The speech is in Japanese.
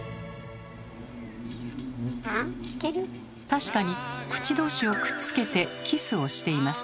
確かに口同士をくっつけてキスをしています。